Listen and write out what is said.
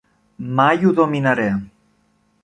Mai ho dominaré.